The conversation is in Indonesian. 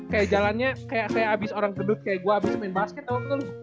kayak jalannya abis orang kedut kayak gue abis main basket waktu itu